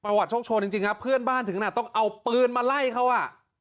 วัดโชคโชนจริงครับเพื่อนบ้านถึงน่ะต้องเอาปืนมาไล่เขาอ่ะ